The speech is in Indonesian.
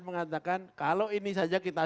mengatakan kalau ini saja kita